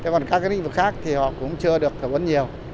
còn các lĩnh vực khác thì họ cũng chưa được thảo vấn nhiều